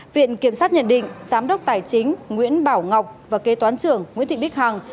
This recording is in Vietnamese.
viện kiểm sát nhận định giám đốc tài chính nguyễn bảo ngọc và kế toán trưởng nguyễn thị bích hằng